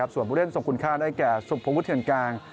ส่วนผู้เล่นสมคุณค่าได้แก่สุภพพุทธเชียงกลาง